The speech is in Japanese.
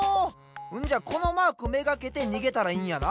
んじゃこのマークめがけてにげたらいいんやな？